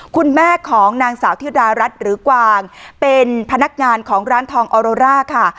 คุณแม่ของนางสาวธิดารัฐหรือกวางเป็นพนักงานของร้านทองออโรร่าค่ะ